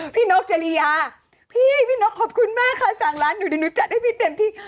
พี่นกจริยาพี่พี่นกขอบคุณมากค่ะสั่งร้านหนูจัดให้พี่เต็มที่